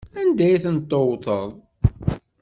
Anda ay ten-tewteḍ?